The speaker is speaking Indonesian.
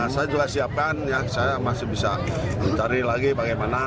saya juga siapkan saya masih bisa mencari lagi bagaimana